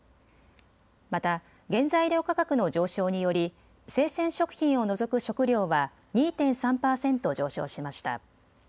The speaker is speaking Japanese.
また原材料価格の上昇により生鮮食品を除く食料は２．３％上昇しました。